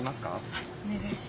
はいお願いします。